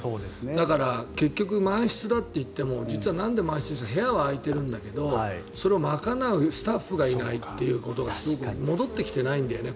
だから、結局満室だって言っても実はなんで満室かっていうと部屋は空いてるんだけどそれを賄うスタッフがいないということがすごく戻ってきてないんだよね。